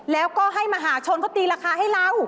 แล้วก็ให้มหาชนเขาตีราคาให้เรา